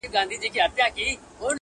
ستا د ناڅاپه راکتو مننه